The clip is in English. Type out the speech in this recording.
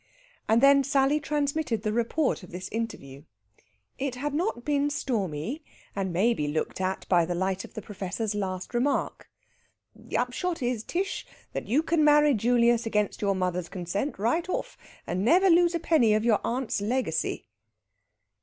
and then Sally transmitted the report of this interview. It had not been stormy, and may be looked at by the light of the Professor's last remark. "The upshot is, Tish, that you can marry Julius against your mother's consent right off, and never lose a penny of your aunt's legacy."